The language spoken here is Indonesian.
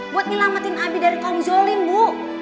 buat nyelamatin abi dari kaum zolim bu